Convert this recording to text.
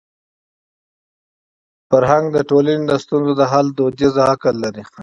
فرهنګ د ټولني د ستونزو د حل دودیز عقل لري.